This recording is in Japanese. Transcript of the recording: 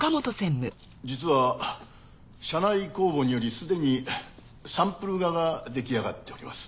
実は社内公募によりすでにサンプル画が出来上がっております。